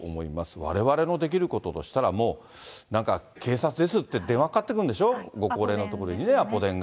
われわれのできることとしたら、もう、なんか警察ですって電話かかってくるんでしょ、ご高齢の所に、アポ電が。